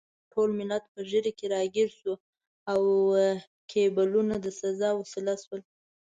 ټول ملت په ږیره کې راګیر شو او کیبلونه د سزا وسیله شول.